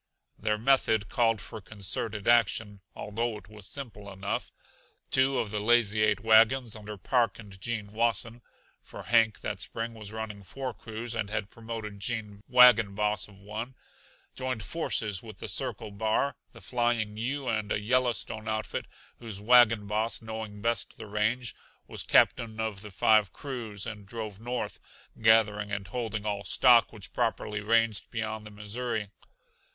Their method called for concerted action, although it was simple enough. Two of the Lazy Eight wagons, under Park and Gene Wasson (for Hank that spring was running four crews and had promoted Gene wagon boss of one), joined forces with the Circle Bar, the Flying U, and a Yellowstone outfit whose wagon boss, knowing best the range, was captain of the five crews; and drove north, gathering and holding all stock which properly ranged beyond the Missouri.